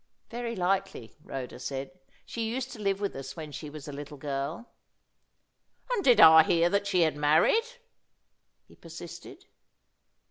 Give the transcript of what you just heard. "Very likely," Rhoda said. "She used to live with us when she was a little girl." "And did I hear that she had married?" he persisted.